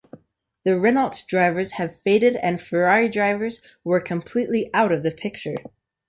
The Renault drivers had faded and Ferrari drivers were completely out of the picture.